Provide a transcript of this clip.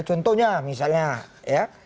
contohnya misalnya ya